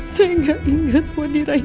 saya gak inget body ride u